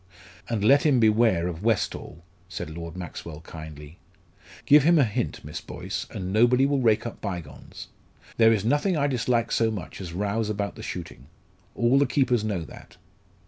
"And let him beware of Westall," said Lord Maxwell, kindly. "Give him a hint, Miss Boyce, and nobody will rake up bygones. There is nothing I dislike so much as rows about the shooting. All the keepers know that."